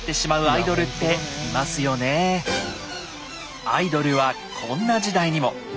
アイドルはこんな時代にも。